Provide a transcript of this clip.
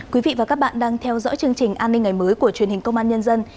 quý vị và các bạn đang theo dõi chương trình an ninh ngày mới của truyền hình công an nhân dân